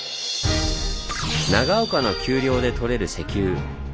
長岡の丘陵で採れる石油。